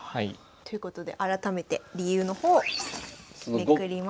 ということで改めて理由の方をめくります。